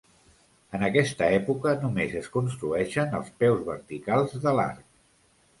En aquesta època, només es construeixen els peus verticals de l'arc.